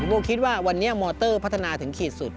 โบคิดว่าวันนี้มอเตอร์พัฒนาถึงขีดสุด